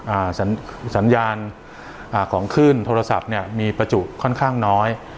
สัญญาณอ่าของขึ้นโทรศัพท์เนี้ยมีประจุค่อนข้างน้อย